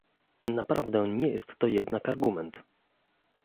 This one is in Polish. Naprawdę nie jest to jednak argument